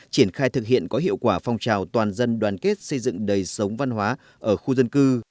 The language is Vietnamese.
triển khai thực hiện có hiệu quả phong trào toàn dân đoàn kết xây dựng đời sống văn hóa ở khu dân cư